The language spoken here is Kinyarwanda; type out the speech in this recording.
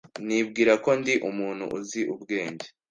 Nibwira ko ndi umuntu uzi ubwenge.